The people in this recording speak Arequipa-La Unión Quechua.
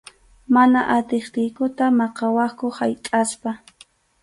Mana atiptiykuta maqawaqku haytʼaspa.